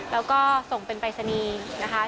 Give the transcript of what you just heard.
แล้วก็ส่งเป็นปรายศนีย์นะคะ